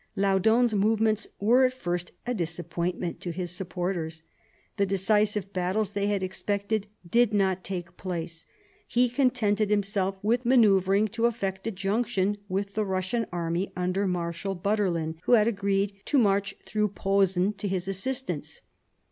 Laudon's movements were at first a disappointment to his sup porters ; the decisive battles they had expected did not take place ; he contented himself with manoeuvring to effect a junction with the Eussian army under Marshal Butterlin, who had agreed to march through Posen to his assistance.